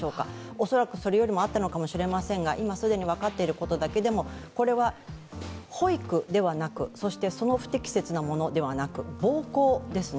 恐らくそれよりもあったのかもしれませんが、今分かっているだけでもこれは、保育ではなくそしてその不適切なものではなく暴行ですね。